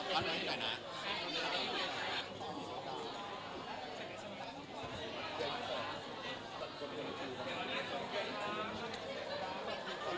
เพื่อคำนวงเพื่อน